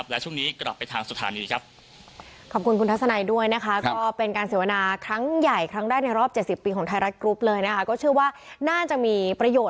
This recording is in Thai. และช่วงนี้กลับไปทางสถานีครับ